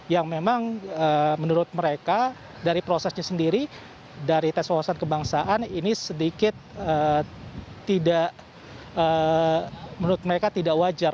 yang memang menurut mereka dari prosesnya sendiri dari tes wawasan kebangsaan ini sedikit tidak menurut mereka tidak wajar